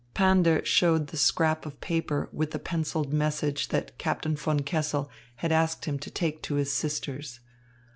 Pander showed the scrap of paper with the pencilled message that Captain von Kessel had asked him to take to his sisters.